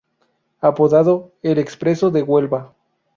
Apodado: "El expreso de Huelva".